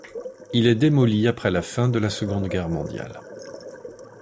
Il est démoli après la fin de la Seconde Guerre mondiale.